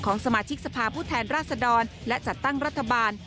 สมาชิกสภาพผู้แทนราชดรและจัดตั้งรัฐบาล